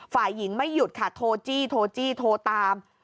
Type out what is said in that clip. ฝ่ายหญิงไม่หยุดค่ะโทรจี้โทรจี้โทรตาม